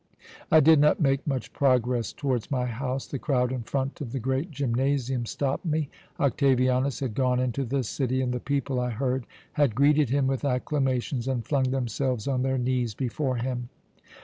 "I did not make much progress towards my house; the crowd in front of the great gymnasium stopped me. Octavianus had gone into the city, and the people, I heard, had greeted him with acclamations and flung themselves on their knees before him.